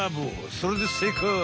それでせいかい！